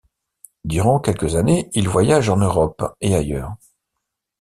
Durant quelques années, il voyage en Europe et ailleurs.